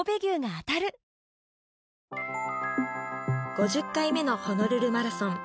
５０回目のホノルルマラソン